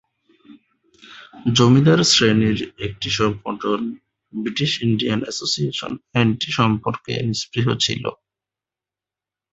জমিদার শ্রেণীর একটি সংগঠন ব্রিটিশ ইন্ডিয়ান অ্যাসোসিয়েশন আইনটি সম্পর্কে নিস্পৃহ ছিল।